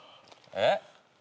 えっ？